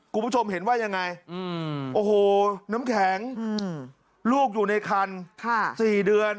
คุณผู้ชมเห็นว่ายังไงโอ้โหน้ำแข็งลูกอยู่ในคัน๔เดือน